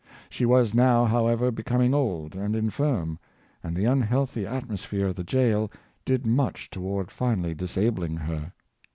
She was now, however, becoming old and infirm, and the unhealthy atmosphere of the jail did much toward finally disabling her.